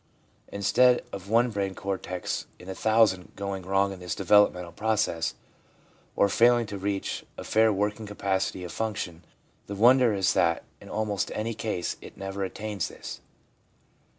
Instead of one brain cortex in a thousand going wrong in this developmental pro cess, or failing to reach a fair working capacity of function, the wonder is that in almost any case it ever attains this.'